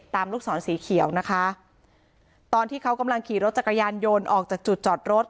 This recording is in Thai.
ลูกศรสีเขียวนะคะตอนที่เขากำลังขี่รถจักรยานยนต์ออกจากจุดจอดรถ